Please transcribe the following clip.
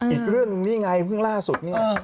อีกเรื่องหนึ่งนี่ไงเพิ่งล่าสุดนี่